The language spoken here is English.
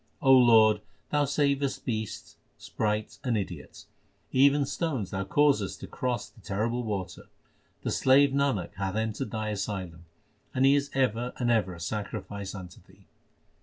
Lord, Thou savest beasts, sprites, and idiots ; even stones Thou causest to cross the terrible water. The slave Nanak hath entered Thine asylum, and is ever and ever a sacrifice unto Thee.